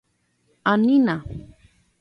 ¡Anína!